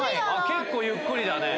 結構ゆっくりだね。